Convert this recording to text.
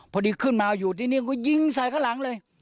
พอดีขึ้นมาอยู่ที่นี่ก็ยิงใส่ข้างหลังเลย